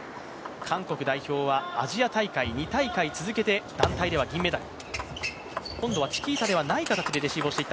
韓国代表はアジア大会２大会続けて団体では銀メダル。